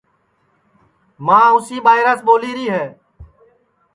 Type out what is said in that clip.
ماں اُسی ٻائیراس ٻولیری ہے